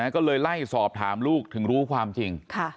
ก็เลยไล่สอบถามลูกถึงรู้ความจริง